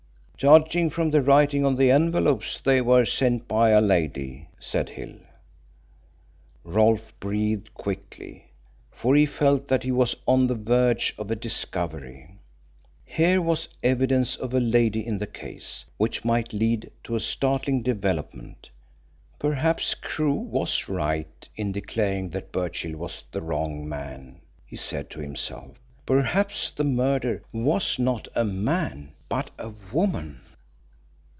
"Judging from the writing on the envelopes they were sent by a lady," said Hill. Rolfe breathed quickly, for he felt that he was on the verge of a discovery. Here was evidence of a lady in the case, which might lead to a startling development. Perhaps Crewe was right in declaring that Birchill was the wrong man, he said to himself. Perhaps the murderer was not a man, but a woman.